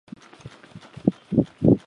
沙赖人口变化图示